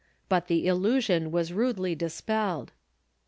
But the illusion was rudely dispelled.